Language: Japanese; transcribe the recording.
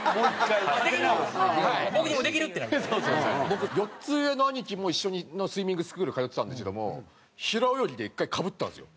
僕４つ上の兄貴も一緒のスイミングスクール通ってたんですけども平泳ぎで１回かぶったんですよ。